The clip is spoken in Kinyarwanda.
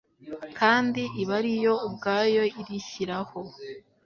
kandi iba ari yo ubwayo irishyiraho.